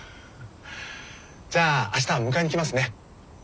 じゃあ明日迎えに来ますね。